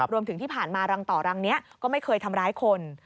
รวมถึงที่ผ่านมารังต่อรังนี้ก็ไม่เคยทำร้ายคน